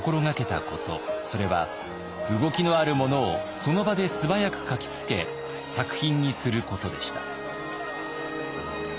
それは動きのあるものをその場で素早く描きつけ作品にすることでした。